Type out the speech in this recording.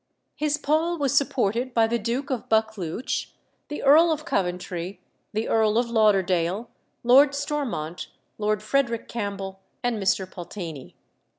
His pall was supported by the Duke of Buccleuch, the Earl of Coventry, the Earl of Lauderdale, Lord Stormont, Lord Frederick Campbell, and Mr. Pulteney.